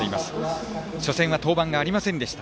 初戦は登板がありませんでした。